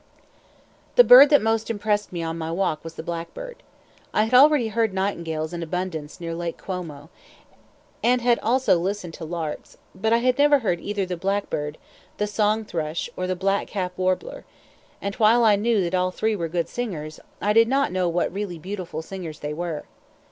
The bird that most impressed me on my walk was the blackbird. I had already heard nightingales in abundance near Lake Como, and had also listened to larks, but I had never heard either the blackbird, the song thrush, or the blackcap warbler; and while I knew that all three were good singers, I did not know what really beautiful singers they were.